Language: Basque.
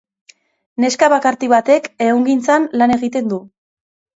Neska bakarti batek ehungintzan lan egiten du.